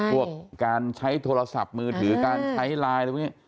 พวกการใช้โทรศัพท์มือถือการใช้ไลน์